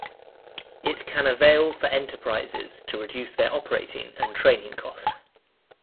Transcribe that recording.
It can avail for enterprises to reduce their operating and training cost.